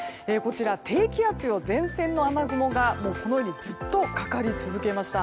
低気圧や前線の雨雲がずっとかかり続けました。